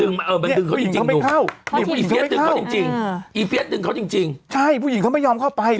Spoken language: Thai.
นี่ผู้หญิงเขาไม่เข้า